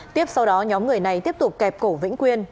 tiếp sau đó nhóm người này tiếp tục kẹp cổ vĩnh quyên